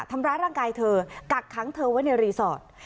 ทำร้ายร่างกายเธอกักขังเธอไว้ในรีสอร์ท